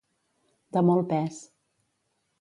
De molt pes.